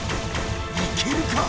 行けるか？